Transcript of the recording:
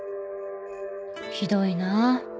「ひどいなあ」。